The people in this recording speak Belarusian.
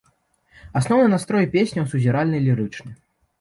Асноўны настрой песняў сузіральна-лірычны.